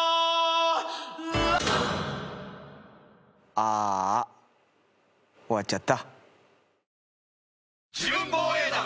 ああ終わっちゃった。